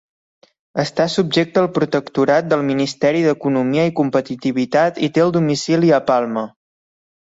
Està subjecta al protectorat del Ministeri d'Economia i Competitivitat i té el domicili a Palma.